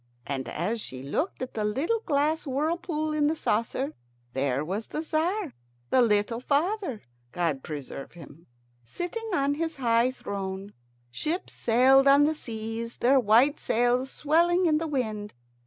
And as she looked at the little glass whirlpool in the saucer, there was the Tzar, the little father God preserve him! sitting on his high throne. Ships sailed on the seas, their white sails swelling in the wind.